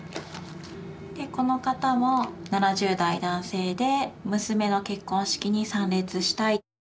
この方も７０代男性で娘の結婚式に参列したい。